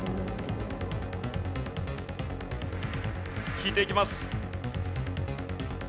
引いていきます。